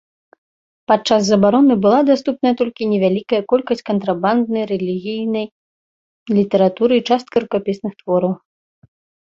Падчас забароны была даступная толькі невялікая колькасць кантрабанднай рэлігійнай літаратуры і частка рукапісных твораў.